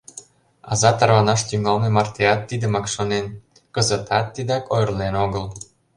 Аза тарванаш тӱҥалме мартеат тидымак шонен, кызытат тидак ойырлен огыл.